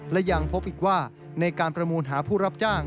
และยังพบอีกว่าในการประมูลหาผู้รับจ้าง